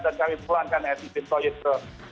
dan kami pulangkan etty bin toyib ke